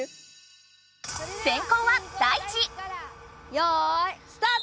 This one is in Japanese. よいスタート！